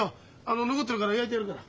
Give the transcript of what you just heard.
残ってるから焼いてやるから。